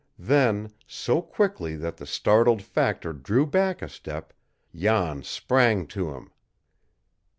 Then, so quickly that the startled factor drew back a step, Jan sprang to him.